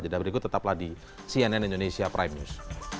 jadwal berikut tetaplah di cnn indonesia prime news